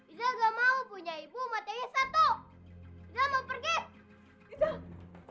iza malu punya ibu kayak bajak laut